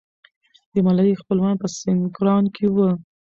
د ملالۍ خپلوان په سینګران کې وو.